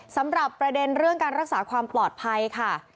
สำหรับประเด็นเรื่องการรักษาความปลอดภัยค่ะ